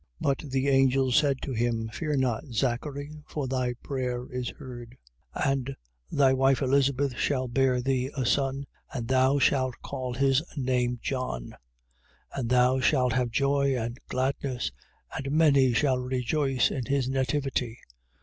1:13. But the angel said to him: Fear not, Zachary, for thy prayer is heard: and thy wife Elizabeth shall bear thee a son. And thou shalt call his name John. 1:14. And thou shalt have joy and gladness: and many shall rejoice in his nativity.